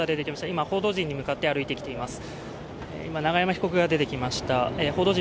今、報道陣に向かって歩いてきています。